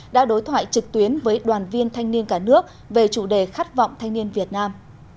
đã đối thoại trực tuyến với đoàn viên thanh niên cả nước về chủ đề khát vọng thanh niên việt nam